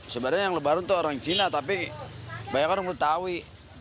sebenarnya yang lebaran itu orang cina tapi banyak orang betawi